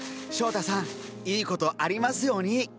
翔太さんいいことありますように！